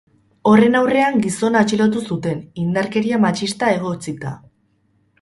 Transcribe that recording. Horren aurrean, gizona atxilotu zuten, indarkeria matxista egotzita.